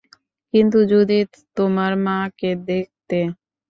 কিন্তু যদি তোমার মা-কে দেখতে!